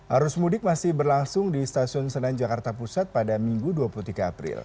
arus mudik masih berlangsung di stasiun senen jakarta pusat pada minggu dua puluh tiga april